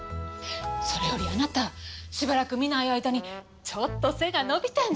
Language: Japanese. それよりあなたしばらく見ない間にちょっと背が伸びたんじゃない？